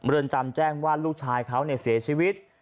เรือนจำแจ้งว่าลูกชายเขาเสียชีวิต